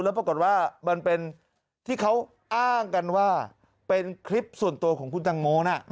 แล้วปรากฏว่ามันเป็นที่เขาอ้างกันว่าเป็นคลิปส่วนตัวของคุณตังโมนะ